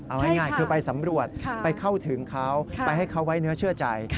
เอาง่ายคือไปสำรวจไปเข้าถึงเขาไปให้เขาไว้เนื้อเชื่อใจ